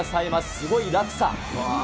すごい落差。